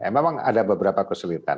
memang ada beberapa kesulitan